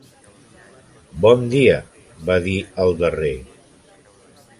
"Bon dia", va dir el darrer.